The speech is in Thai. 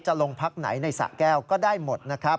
ลงพักไหนในสะแก้วก็ได้หมดนะครับ